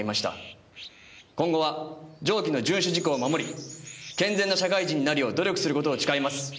「今後は上記の遵守事項を守り健全な社会人になるよう努力することを誓います」